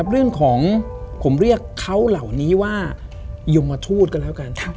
เรื่องของผมเรียกเขาเหล่านี้ว่ายมทูตก็แล้วกัน